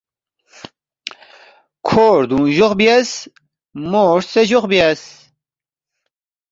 کھو ردُونگ جوخ بیاس, مو ہرژے جوخ بیاس